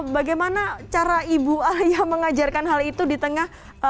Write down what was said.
bagaimana cara ibu ayah mengajarkan hal itu di tengah